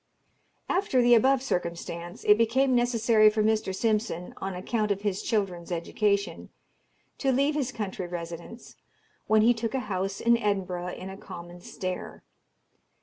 After the above circumstance, it became necessary for Mr. Simpson, on account of his children's education, to leave his country residence, when he took a house in Edinburgh in a common stair.